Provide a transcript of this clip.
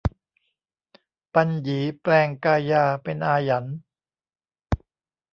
ปันหยีแปลงกายาเป็นอาหยัน